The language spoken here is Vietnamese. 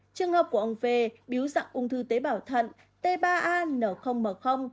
trường hợp của ông v bíu dạng ung thư tế bảo thận t ba a n m